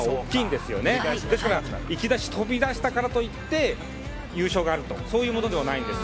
ですから行き出し飛び出したからと言って優勝があるというものではないんです。